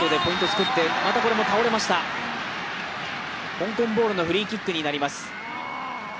香港ボールのフリーキックになります。